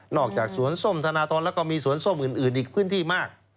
จากสวนส้มธนทรแล้วก็มีสวนส้มอื่นอีกพื้นที่มาก